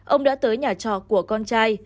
ông đã tới nhà trò của con gái